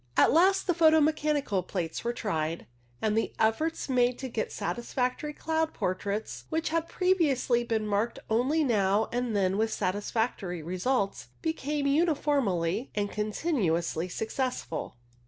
At last the photo mechanical plates were tried, and the efforts made to get satisfactory cloud portraits, which had previously been marked only now and then with satisfactory results, became uniformly and continuously successful.